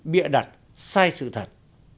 bịa đặt sai sự thật